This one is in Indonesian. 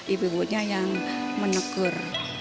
ibu ibunya yang menegur